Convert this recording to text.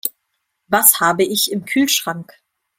Was habe ich im Kühlschrank?